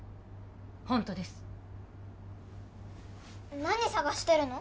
ホントです何探してるの？